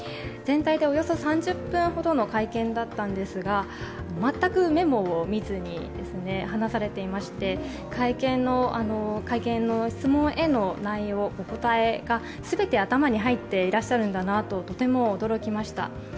全体でおよそ３０分ほどの会見だったんですが全くメモを見ずに話されていまして会見の質問への内容、お答えが全て頭に入っていらっしゃるんだなと、とても驚きました。